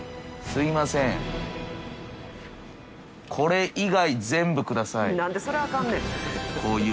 すみません、これ以外、全部ください。